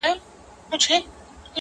لونگيه دا خبره دې سهې ده،